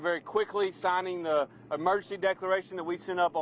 untuk mendatangkan perjanjian kecemasan yang telah kami lakukan semalam